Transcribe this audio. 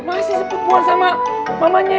masih sepupuan sama mamanya